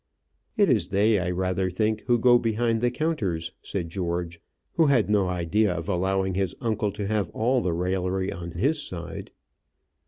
"It is they, I rather think, who go behind the counters," said George, who had no idea of allowing his uncle to have all the raillery on his side.